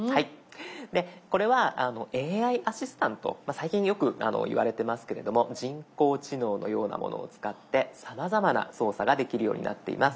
最近よく言われてますけれども人工知能のようなものを使ってさまざまな操作ができるようになっています。